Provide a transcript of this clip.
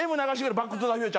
『バック・トゥ・ザ・フューチャー』の。